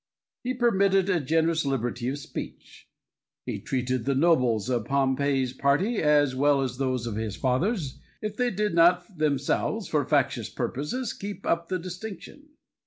He permitted a generous liberty of speech. He treated the nobles of Pompey's party as well as those of his father's, if they did not themselves, for factious purposes, keep up the distinction.